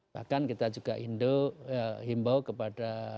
bahkan kita juga himbau kepada